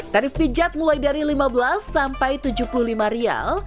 tarif pijat mulai dari lima belas sampai rp tujuh puluh lima